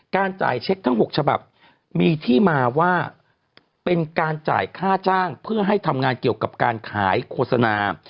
จ่ายเช็คทั้ง๖ฉบับมีที่มาว่าเป็นการจ่ายค่าจ้างเพื่อให้ทำงานเกี่ยวกับการขายโฆษณา